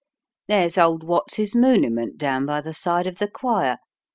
There's old Watts's muniment down by the side of the choir.